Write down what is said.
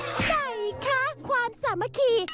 ใครคะความสามัคคี